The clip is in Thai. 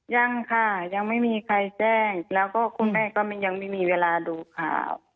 ยังค่ะยังไม่มีใครแจ้งแล้วก็คุณแม่ก็ยังไม่มีเวลาดูข่าว